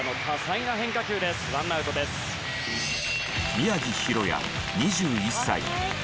宮城大弥２１歳。